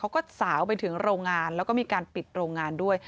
เขาก็สาวไปถึงโรงงานแล้วก็มีการปิดโรงงานด้วย